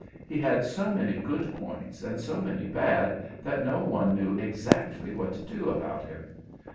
He had so many good points and so many bad that no one knew exactly what to do about him.